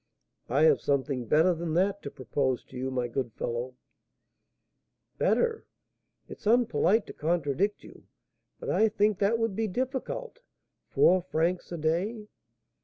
"I have something better than that to propose to you, my good fellow." "Better! It's unpolite to contradict you, but I think that would be difficult. Four francs a day!"